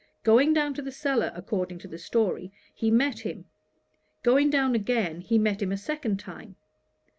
Going down to the cellar, according to the story, he met him; going down again he met him a second time.